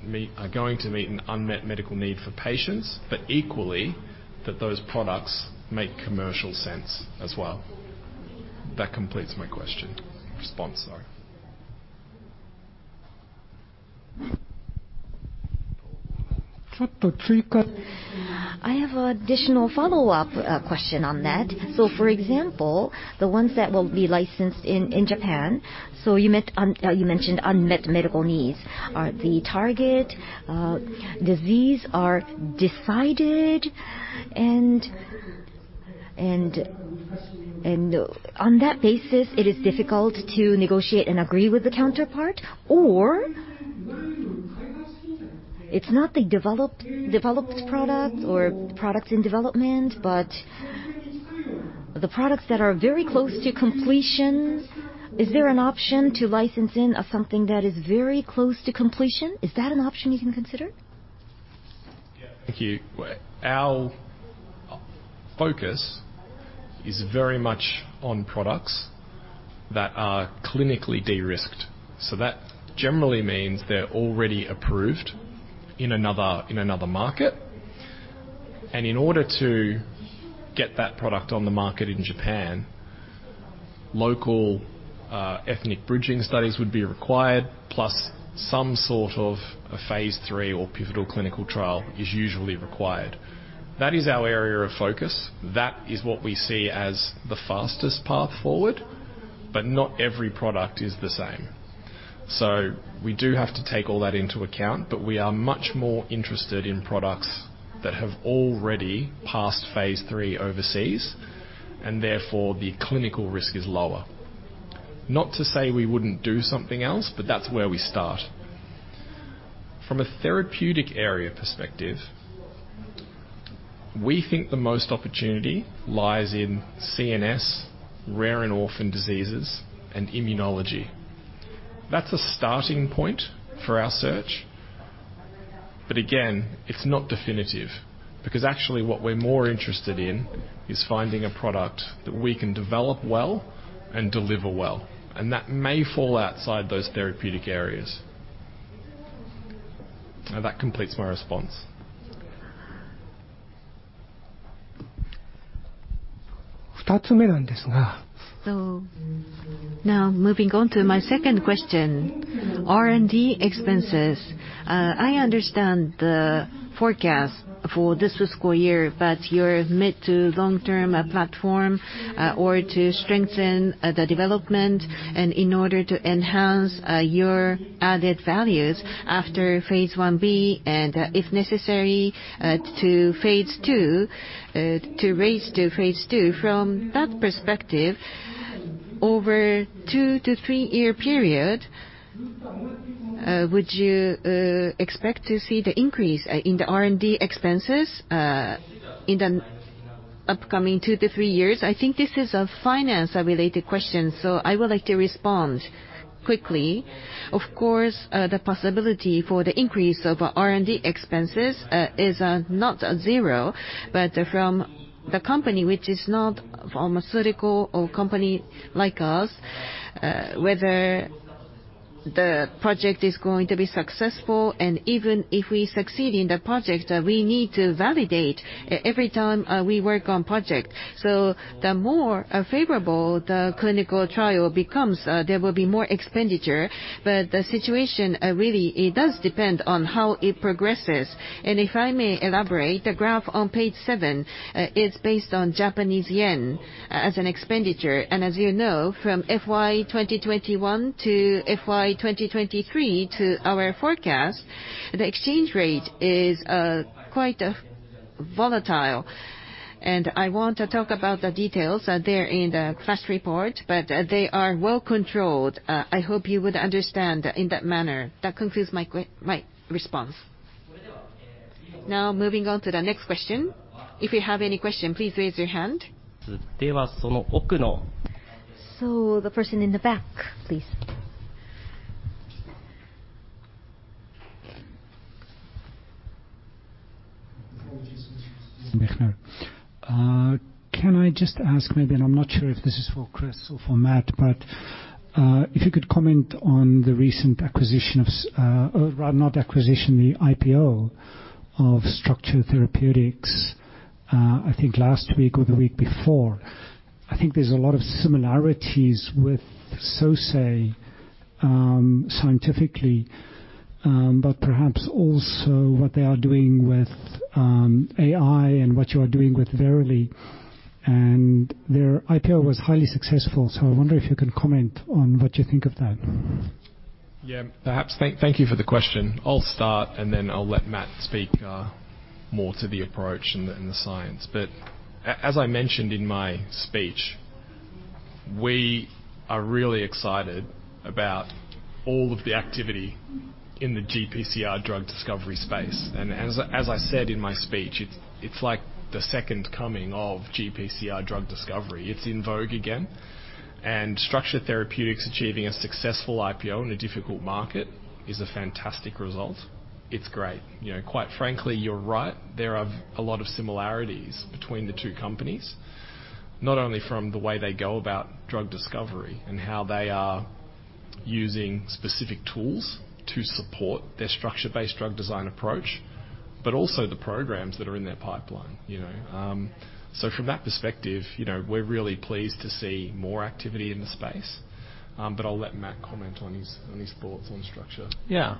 meet, are going to meet an unmet medical need for patients, but equally that those products make commercial sense as well. That completes my question. Response, sorry. I have additional follow-up question on that. For example, the ones that will be licensed in Japan, you mentioned unmet medical needs are the target disease are decided and on that basis, it is difficult to negotiate and agree with the counterpart or it's not the developed product or products in development, but the products that are very close to completion. Is there an option to license in of something that is very close to completion? Is that an option you can consider? Yeah. Thank you. Our focus is very much on products that are clinically de-risked. That generally means they're already approved in another, in another market. In order to get that product on the market in Japan, local, ethnic bridging studies would be required, plus some sort of a phase III or pivotal clinical trial is usually required. That is our area of focus. That is what we see as the fastest path forward, but not every product is the same. We do have to take all that into account, but we are much more interested in products that have already passed phase III overseas and therefore, the clinical risk is lower. Not to say we wouldn't do something else, but that's where we start. From a therapeutic area perspective, we think the most opportunity lies in CNS, rare and orphan diseases, and immunology. That's a starting point for our search. Again, it's not definitive because actually what we're more interested in is finding a product that we can develop well and deliver well, and that may fall outside those therapeutic areas. That completes my response. Moving on to my second question. R&D expenses. I understand the forecast for this fiscal year, your mid to long-term platform, or to strengthen, the development and in order to enhance, your added values after phase Ib and, if necessary, to phase II, to raise to phase II. From that perspective, over 2-3-year period, would you expect to see the increase in the R&D expenses in the upcoming 2-3 years? I think this is a finance-related question. I would like to respond quickly. Of course, the possibility for the increase of R&D expenses is not zero. From the company, which is not pharmaceutical or company like us, whether the project is going to be successful and even if we succeed in the project, we need to validate every time we work on project. The more favorable the clinical trial becomes, there will be more expenditure. The situation really it does depend on how it progresses. If I may elaborate, the graph on page seven is based on Japanese yen as an expenditure. As you know, from FY 2021 to FY 2023 to our forecast, the exchange rate is quite volatile. I want to talk about the details there in the first report, they are well controlled. I hope you would understand in that manner. That concludes my response. Now moving on to the next question. If you have any question, please raise your hand. The person in the back, please. Can I just ask maybe, and I'm not sure if this is for Chris or for Matt, but if you could comment on the recent acquisition of rather not acquisition, the IPO of Structure Therapeutics, I think last week or the week before? I think there's a lot of similarities with Sosei, scientifically, but perhaps also what they are doing with AI and what you are doing with Verily. Their IPO was highly successful. I wonder if you can comment on what you think of that? Yeah. Perhaps. Thank you for the question. I'll start, and then I'll let Matt speak more to the approach and the science. As I mentioned in my speech, we are really excited about all of the activity in the GPCR drug discovery space. As I said in my speech, it's like the second coming of GPCR drug discovery. It's in vogue again. Structure Therapeutics achieving a successful IPO in a difficult market is a fantastic result. It's great. You know, quite frankly, you're right, there are a lot of similarities between the two companies, not only from the way they go about drug discovery and how they are using specific tools to support their structure-based drug design approach. Also the programs that are in their pipeline, you know? From that perspective, you know, we're really pleased to see more activity in the space. I'll let Matt comment on his, on his thoughts on Structure. Yeah.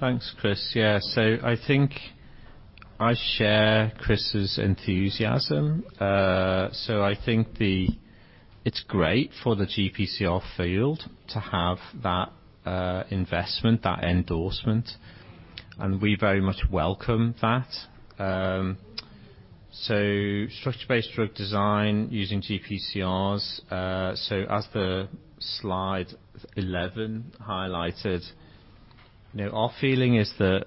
Thanks, Chris. Yeah. I think I share Chris's enthusiasm. I think it's great for the GPCR field to have that investment, that endorsement, and we very much welcome that. Structure-based drug design using GPCRs. As the slide 11 highlighted, you know, our feeling is that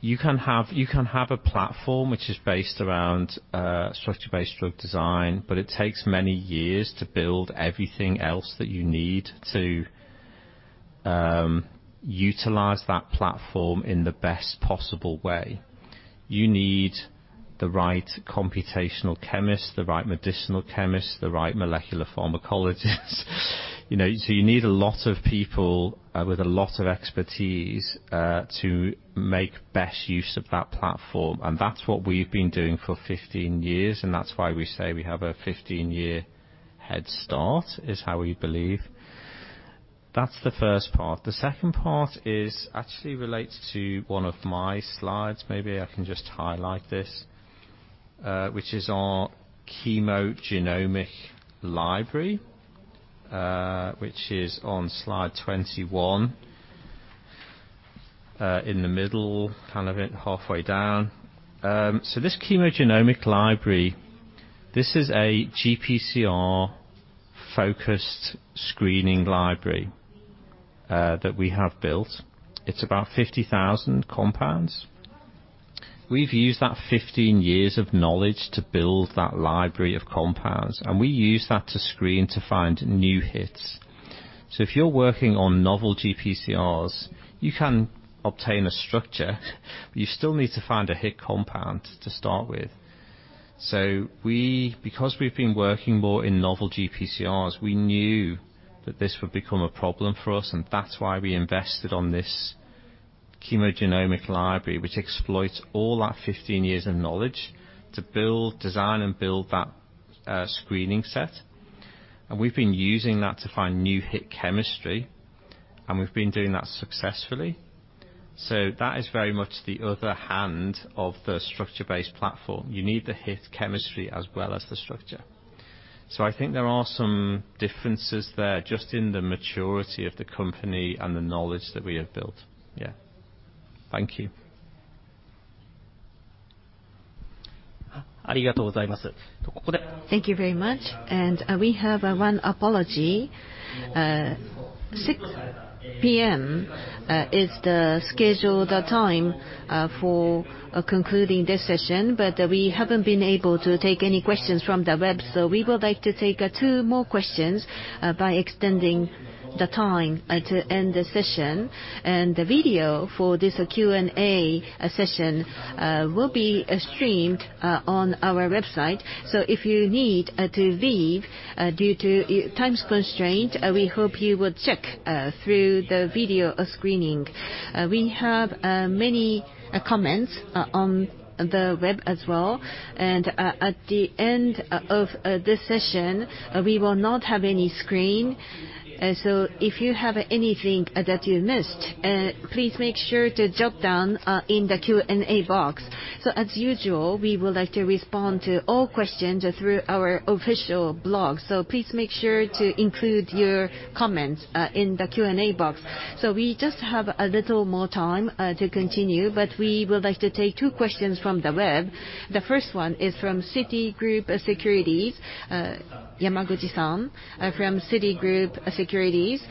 you can have, you can have a platform which is based around structure-based drug design, but it takes many years to build everything else that you need to utilize that platform in the best possible way. You need the right computational chemist, the right medicinal chemist, the right molecular pharmacologist. You know, you need a lot of people with a lot of expertise to make best use of that platform. That's what we've been doing for 15 years, and that's why we say we have a 15-year head start, is how we believe. That's the first part. The second part is actually relates to one of my slides. Maybe I can just highlight this, which is our chemogenomic library, which is on slide 21, in the middle, kind of in halfway down. This chemogenomic library, this is a GPCR-focused screening library that we have built. It's about 50,000 compounds. We've used that 15 years of knowledge to build that library of compounds, and we use that to screen to find new hits. If you're working on novel GPCRs, you can obtain a structure. You still need to find a hit compound to start with. Because we've been working more in novel GPCRs, we knew that this would become a problem for us, and that's why we invested on this chemogenomic library, which exploits all that 15 years of knowledge to build, design and build that screening set. We've been using that to find new hit chemistry, and we've been doing that successfully. That is very much the other hand of the structure-based platform. You need the hit chemistry as well as the structure. I think there are some differences there just in the maturity of the company and the knowledge that we have built. Yeah. Thank you. Thank you very much. We have 1 apology. 6:00 P.M. is the scheduled time for concluding this session, we haven't been able to take any questions from the web. We would like to take 2 more questions by extending the time to end this session. The video for this Q&A session will be streamed on our website. If you need to leave due to time constraint, we hope you will check through the video screening. We have many comments on the web as well. At the end of this session, we will not have any screen. If you have anything that you missed, please make sure to jot down in the Q&A box. As usual, we would like to respond to all questions through our official blog. Please make sure to include your comments in the Q&A box. We just have a little more time to continue, but we would like to take two questions from the web. The first one is from Citigroup Securities. Yamaguchi-san from Citigroup Securities,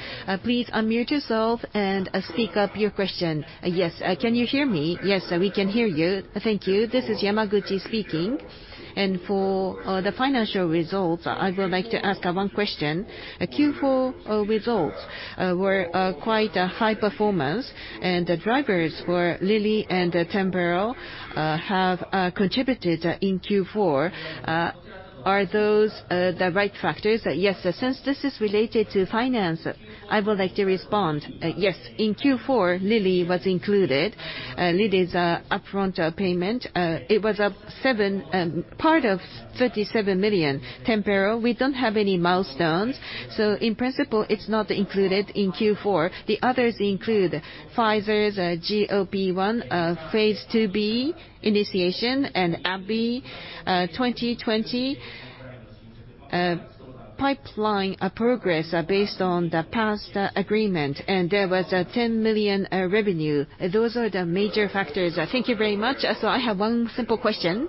please unmute yourself and speak up your question. Yes. Can you hear me? Yes, we can hear you. Thank you. This is Yamaguchi speaking. For the financial results, I would like to ask one question. Q4 results were quite a high performance, and the drivers for Lilly and Tempo have contributed in Q4. Are those the right factors? Yes. Since this is related to finance, I would like to respond. Yes. In Q4, Lilly was included. Lilly's upfront payment, it was up $7 million, part of $37 million. Tempo, we don't have any milestones, so in principle it's not included in Q4. The others include Pfizer's GLP-1, phase IIb initiation and AbbVie, 2020, pipeline progress based on the past agreement. There was a $10 million revenue. Those are the major factors. Thank you very much. I have one simple question.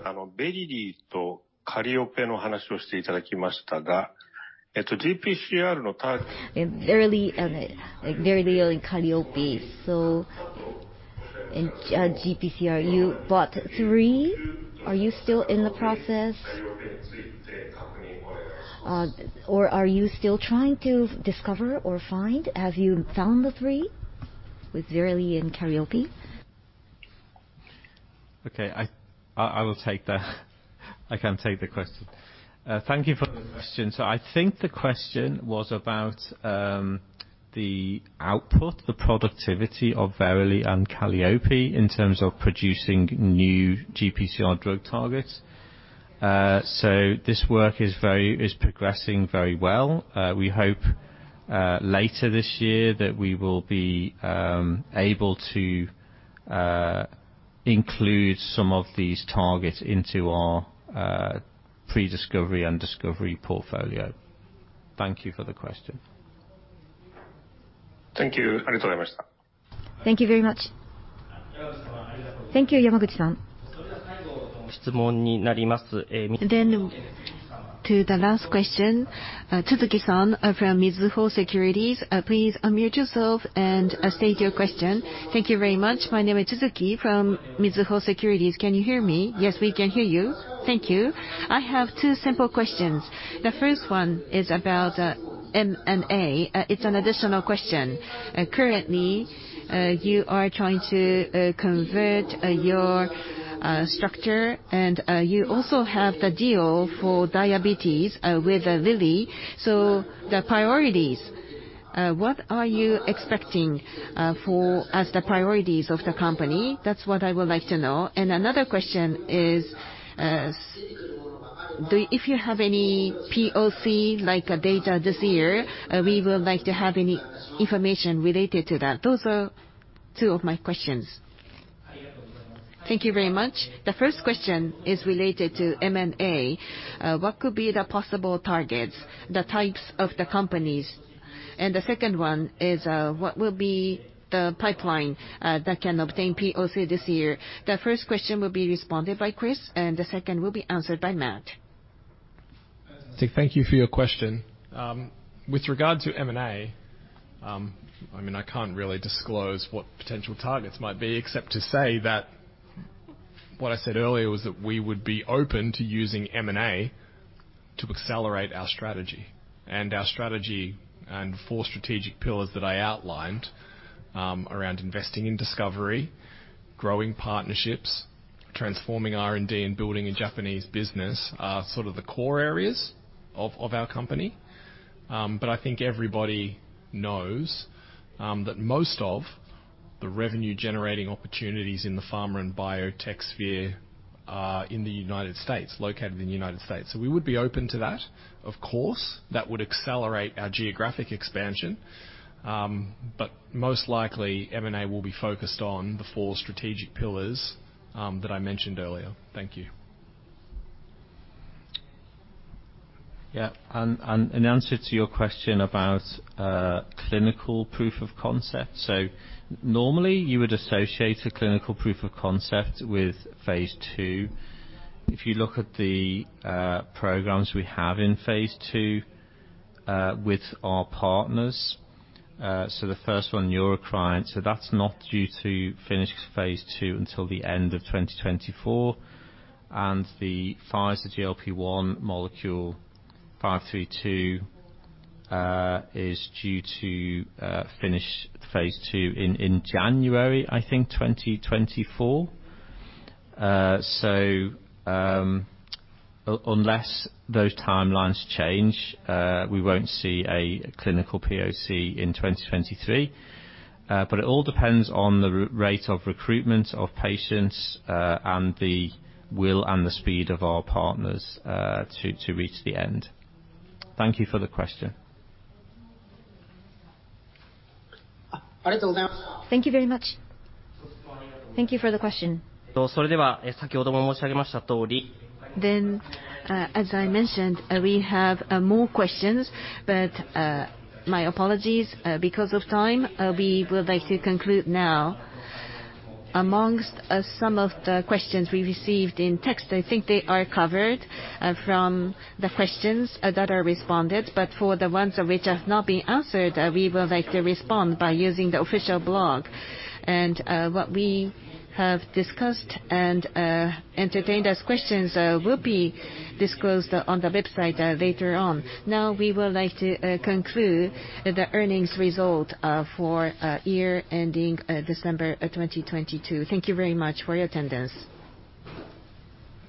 Verily and, like, Verily and Carioci. GPCR, you bought three. Are you still in the process? Or are you still trying to discover or find? Have you found the 3 with Verily and Carioci? Okay. I will take that. I can take the question. Thank you for the question. I think the question was about the output, the productivity of Verily and Kallyope in terms of producing new GPCR drug targets. This work is progressing very well. We hope later this year that we will be able to include some of these targets into our pre-discovery and discovery portfolio. Thank you for the question. Thank you. Thank you very much. Thank you, Yamaguchi-san. To the last question, Tsuzuki-san from Mizuho Securities. Please unmute yourself and state your question. Thank you very much. My name is Tsuzuki from Mizuho Securities. Can you hear me? Yes, we can hear you. Thank you. I have two simple questions. The first one is about M&A. It's an additional question. Currently, you are trying to convert your structure and you also have the deal for diabetes with Lilly. The priorities, what are you expecting for as the priorities of the company? That's what I would like to know. Another question is, if you have any POC, like data this year, we would like to have any information related to that. Those are two of my questions. Thank you very much. The first question is related to M&A. What could be the possible targets, the types of the companies? The second one is, what will be the pipeline that can obtain POC this year? The first question will be responded by Chris, and the second will be answered by Matt. Thank you for your question. With regard to M&A, I can't really disclose what potential targets might be except to say that what I said earlier was that we would be open to using M&A to accelerate our strategy. Our strategy and four strategic pillars that I outlined, around investing in discovery, growing partnerships, transforming R&D, and building a Japanese business are sort of the core areas of our company. I think everybody knows that most of the revenue-generating opportunities in the pharma and biotech sphere are in the United States, located in the United States. We would be open to that. Of course, that would accelerate our geographic expansion. Most likely, M&A will be focused on the four strategic pillars that I mentioned earlier. Thank you. Yeah. In answer to your question about clinical proof of concept. Normally, you would associate a clinical proof of concept with phase II. If you look at the programs we have in phase II with our partners. The first one, Neurocrine. That's not due to finish phase II until the end of 2024. The Pfizer GLP-1 molecule 532 is due to finish phase II in January, I think, 2024. Unless those timelines change, we won't see a clinical POC in 2023. But it all depends on the rate of recruitment of patients and the will and the speed of our partners to reach the end. Thank you for the question. Thank you very much. Thank you for the question. As I mentioned, we have more questions, but my apologies, because of time, we would like to conclude now. Amongst some of the questions we received in text, I think they are covered from the questions that are responded. For the ones which have not been answered, we would like to respond by using the official blog. What we have discussed and entertained as questions will be disclosed on the website later on. We would like to conclude the earnings result for year ending December 2022. Thank you very much for your attendance.